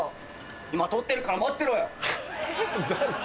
今撮ってるから待ってろよ。